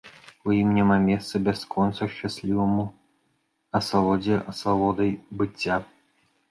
У ім няма месца бясконца шчасліваму асалодзе асалодай быцця.